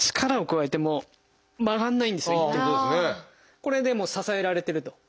これでもう支えられてると。